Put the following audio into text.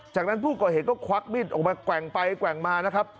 จากนั้นผู้ก่อเหตุก็ควักมีดออกมาแกว่งไปแกว่งมานะครับ